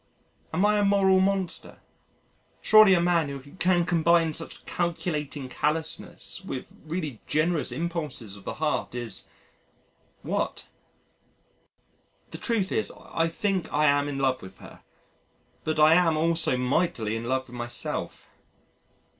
... Am I a moral monster? Surely a man who can combine such calculating callousness with really generous impulses of the heart is what? The truth is I think I am in love with her: but I am also mightily in love with myself.